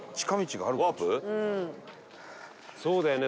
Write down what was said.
そうだよね。